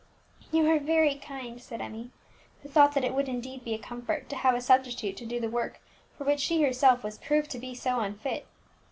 "You are very kind," said Emmie, who thought that it would indeed be a comfort to have a substitute to do the work for which she herself was proved to be so unfit.